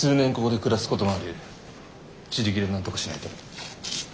自力でなんとかしないと。